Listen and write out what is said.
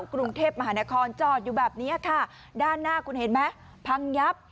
กรุงเทพมหานครจอดอยู่แบบเนี้ยค่ะด้านหน้าคุณเห็นไหมพังยับ